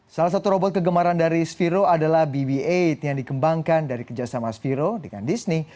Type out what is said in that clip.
salah satu robot kegemaran dari sphero adalah bb delapan yang dikembangkan dari kerjasama sphero dengan disney